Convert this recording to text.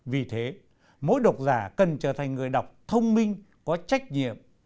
vì thế mỗi độc giả cần trở thành người đọc thông minh có trách nhiệm